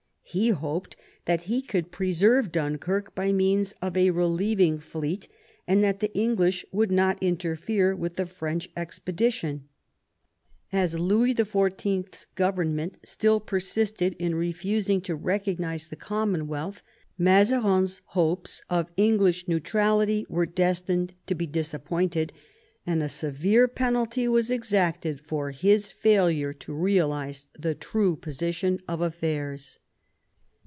He hoped that he could preserve Dunkirk by means of a relieving fleet, and that the English would not interfere with the French expedition. As Louis XlV.'a government still persisted in refusing to recognise the Commonwealth, Mazarin's hopes of English neutrality were destined to be disappointed, and a severe penalty was exacted for his failure to realise the true position of affairs.